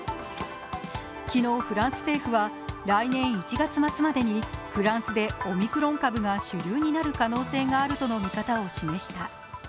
昨日、フランス政府は来年１月末までにフランスでオミクロン株が主流になる可能性があるとの見方を示した。